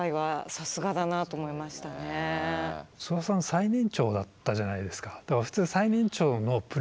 最年長だったじゃないですか。